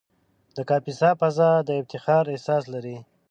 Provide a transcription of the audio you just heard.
د کاپیسا فضا د افتخار احساس لري.